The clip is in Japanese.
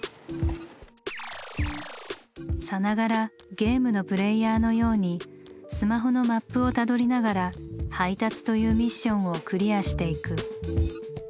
さながらゲームのプレイヤーのようにスマホのマップをたどりながら配達というミッションをクリアしていく。